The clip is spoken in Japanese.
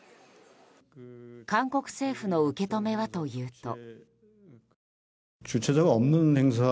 韓国政府の受け止めはというと。